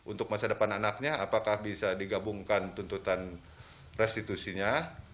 untuk masa depan anaknya apakah bisa digabungkan tuntutan restitusinya